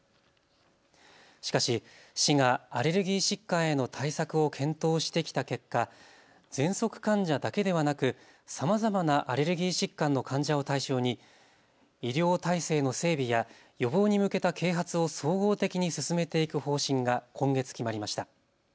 しかし市がアレルギー疾患への対策を検討してきた結果、ぜんそく患者だけではなくさまざまなアレルギー疾患の患者を対象に医療体制の整備や予防に向けた啓発を総合的に進めていく方針が今月決まりました。